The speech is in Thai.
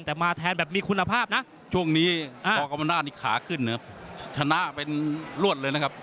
แต่มาแทนแบบมีคุณภาพนะช่วงนี้กรกรรมนาศนี่ขาขึ้นนะครับชนะเป็นรวดเลยนะครับ